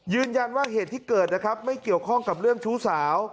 เหตุที่เกิดนะครับไม่เกี่ยวข้องกับเรื่องชู้สาว